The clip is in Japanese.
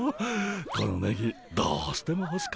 このネギどうしてもほしかったんだ。